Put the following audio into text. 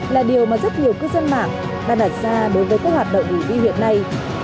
là điều mà rất nhiều cư dân mạng đã đặt ra đối với các hoạt động review hiện nay